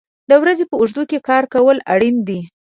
د ورځې په اوږدو کې کار کول اړین دي.